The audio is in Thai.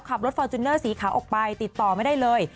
ฟอร์จูเนอร์สีขาวออกไปติดต่อไม่ได้เลย